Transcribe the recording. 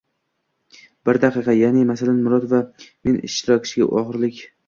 Bir daqiqa, ya’ni masalan, Murod va men ishtirokchiga o‘girildik